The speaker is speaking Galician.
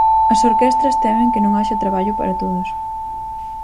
As orquestras temen que non haxa traballo para todos.